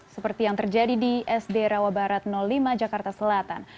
seperti yang terjadi di sd rawabarat lima jakarta selatan